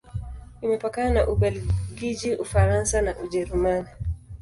Imepakana na Ubelgiji, Ufaransa na Ujerumani.